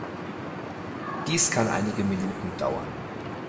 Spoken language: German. Dies kann einige Minuten dauern.